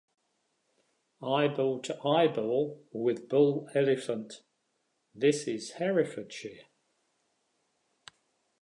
"Eyeball to eyeball with bull elephant," "This is Herefordshire.